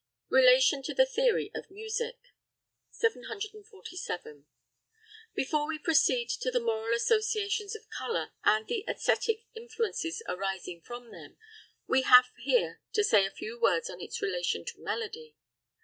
RELATION TO THE THEORY OF MUSIC. 747. Before we proceed to the moral associations of colour, and the æsthetic influences arising from them, we have here to say a few words on its relation to melody.